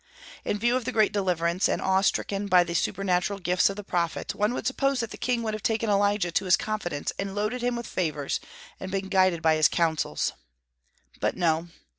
In view of the great deliverance, and awe stricken by the supernatural gifts of the prophet, one would suppose that the king would have taken Elijah to his confidence and loaded him with favors, and been guided by his counsels. But, no.